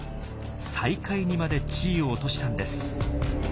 最下位にまで地位を落としたんです。